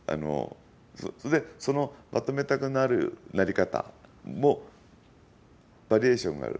それで、そのまとめたくなるなり方もバリエーションがある。